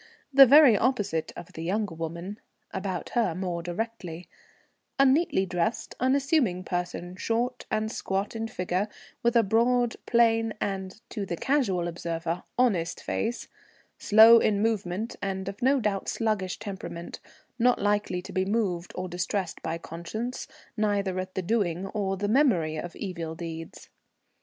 The very opposite of the younger woman (about her more directly), a neatly dressed unassuming person, short and squat in figure, with a broad, plain, and, to the casual observer, honest face, slow in movement and of no doubt sluggish temperament, not likely to be moved or distressed by conscience, neither at the doing or the memory of evil deeds.